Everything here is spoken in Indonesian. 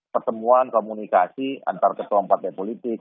pertemuan komunikasi antar ketua partai politik